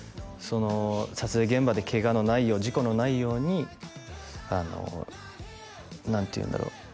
撮影現場でケガのないよう事故のないようにあの何ていうんだろう